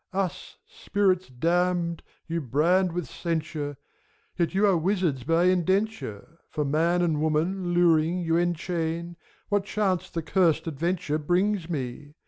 Us, Spirits damned, you brand with censure, Yet you are wizards by indenture ; For man and woman, luring, you enchain.— What chance the curst adventure brings me?